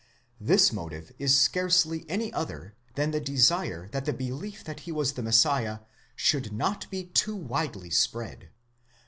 This motive is scarcely any other than the desire that the belief that he was the Messiah should not be too widely spread.